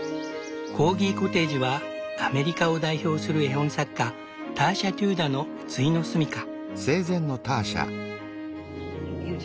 コーギコテージはアメリカを代表する絵本作家ターシャ・テューダーのついの住みか。